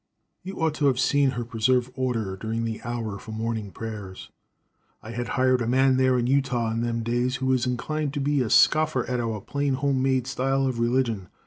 You ought to have saw her preserve order during the hour for morning prayers. I had a hired man there in Utah, in them days, who was inclined to be a scoffer at our plain home made style of religion.